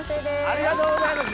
ありがとうございます。